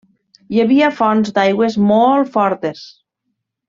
Hi havia fonts d'aigües molt fortes.